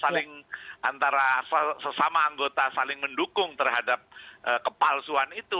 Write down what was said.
saling antara sesama anggota saling mendukung terhadap kepalsuan itu